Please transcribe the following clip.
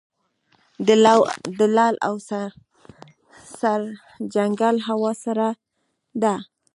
د لعل او سرجنګل هوا سړه ده